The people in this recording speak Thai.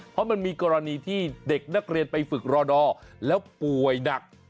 เพราะมันมีกรณีที่เด็กนักเรียนไปฝึกรอดอแล้วป่วยหนัก